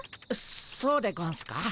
そうでゴンスか？